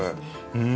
うん。